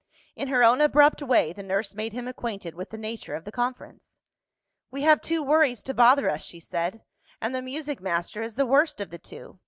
In her own abrupt way, the nurse made him acquainted with the nature of the conference. "We have two worries to bother us," she said; "and the music master is the worst of the two.